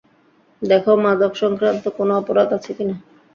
দেখ মাদক সংক্রান্ত কোন অপরাধ আছে কিনা?